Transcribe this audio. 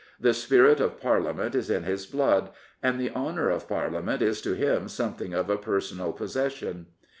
The spirit of Parliament is in his blood, and the honour of Parlia ment is to him something of a personal possession.